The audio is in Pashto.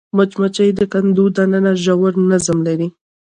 مچمچۍ د کندو دننه ژور نظم لري